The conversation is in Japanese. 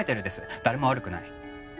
誰も悪くない。